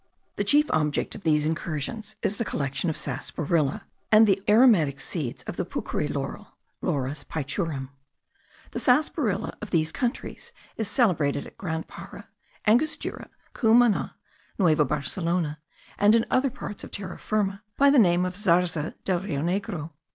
The chief object of these incursions is the collection of sarsaparilla and the aromatic seeds of the puchery laurel (Laurus pichurim). The sarsaparilla of these countries is celebrated at Grand Para, Angostura, Cumana, Nueva Barcelona, and in other parts of Terra Firma, by the name of zarza del Rio Negro.